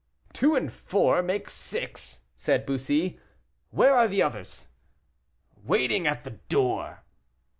"Two and four make six," said Bussy, "where are the others?" "Waiting at the door."